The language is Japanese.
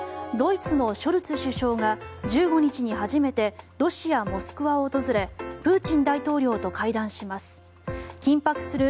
ドイツのショルツ首相が１５日に初めてロシア・モスクワを訪れプーチン大統領と会談します。